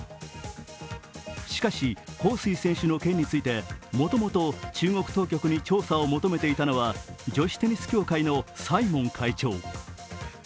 しかし、彭帥選手の件についてもともと中国当局に調査を求めていたのは、女子テニス協会のサイモン会長。